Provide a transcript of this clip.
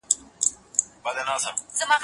زه تمرين کړي دي؟!